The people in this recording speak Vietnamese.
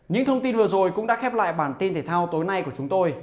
những thông tin vừa rồi cũng đã khép lại bản tin thể thao tối nay của chúng tôi